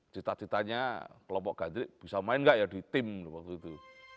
cita citanya kelompok gandrik bisa main nggak ya di tim waktu itu